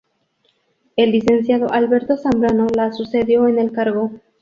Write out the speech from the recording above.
El licenciado Alberto Zambrano la sucedió en el cargo.